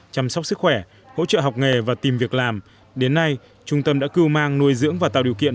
chăm sóc sức khỏe hỗ trợ học nghề và tìm việc làm đến nay trung tâm đã cưu mang nuôi dưỡng và tạo điều kiện